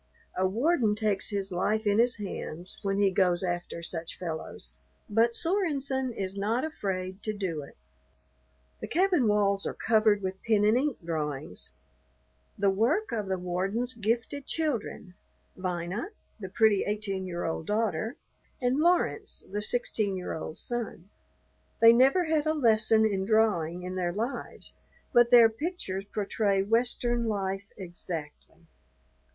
A warden takes his life in his hands when he goes after such fellows, but Sorenson is not afraid to do it. The cabin walls are covered with pen and ink drawings, the work of the warden's gifted children, Vina, the pretty eighteen year old daughter, and Laurence, the sixteen year old son. They never had a lesson in drawing in their lives, but their pictures portray Western life exactly.